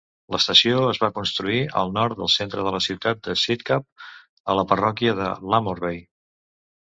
L'estació es va construir al nord del centre de la ciutat de Sidcup, a la parròquia de Lamorbey.